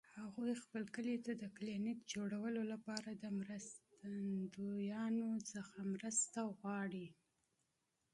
هغوی خپل کلي ته د کلینیک جوړولو لپاره له مرستندویانو څخه مرسته غواړي